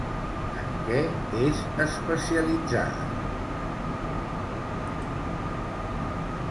En què és especialitzada?